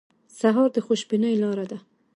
سهار د خوشبینۍ لاره ده.